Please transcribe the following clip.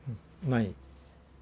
ない。